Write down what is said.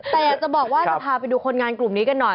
แต่อยากจะบอกว่าจะพาไปดูคนงานกลุ่มนี้กันหน่อย